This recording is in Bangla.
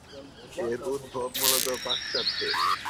এর উদ্ভব মূলত পাশ্চাত্যে।